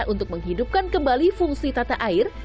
untuk menghidupkan kembali fungsi tata air